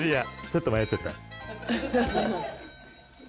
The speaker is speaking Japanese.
ちょっと迷っちゃった。